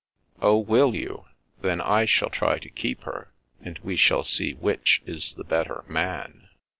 ^' Oh, will you ? Then I shall try to keep her ; and we^hall see which is the better man."